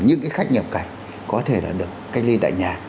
những khách nhập cảnh có thể là được cách ly tại nhà